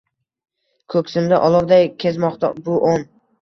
Ko’ksimda olovday kezmoqda bu on